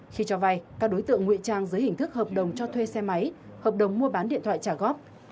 khi cho vai các đối tượng nguyện trang giới hình thức hợp đồng cho thuê xe máy hợp đồng mua bán điện thoại trả góp